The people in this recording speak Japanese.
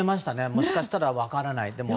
もしかしたら分からないとも。